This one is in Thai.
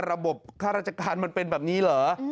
ระบบค่าราชการมันเป็นแบบนี้เหรอ